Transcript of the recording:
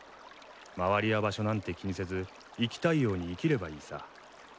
周りや場所なんて気にせず生きたいように生きればいいさ。